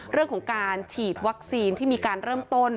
เรื่องของการฉีดวัคซีนที่มีการเริ่มต้น